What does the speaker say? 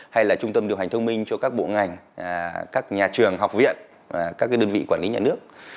hay là trung tâm điều hành thông minh cho các bộ ngành các nhà trường học viện các đơn vị quản lý nhà nước